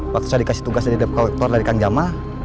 waktu saya dikasih tugas dari depok wiktor dari kang jamal